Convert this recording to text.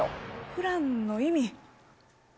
フランの意味。